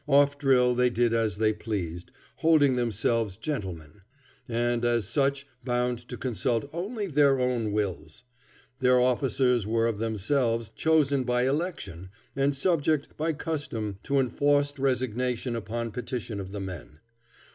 Off drill they did as they pleased, holding themselves gentlemen, and as such bound to consult only their own wills. Their officers were of themselves, chosen by election, and subject, by custom, to enforced resignation upon petition of the men.